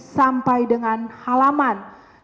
sampai dengan halaman tiga ribu satu ratus lima puluh sembilan